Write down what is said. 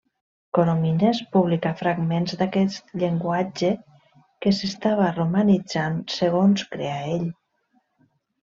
Coromines publicà fragments d'aquest llenguatge que s’estava romanitzant, segons creia ell.